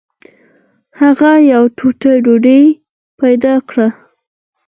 هغه یوه ټوټه ډوډۍ پیدا کړه.